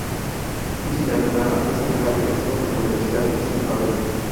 Luis Miranda Nava es abogado egresado de la Universidad Isidro Fabela.